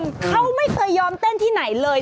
เขาไม่เคยยอมเต้นที่ไหนเลย